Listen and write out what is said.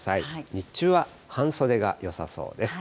日中は半袖がよさそうです。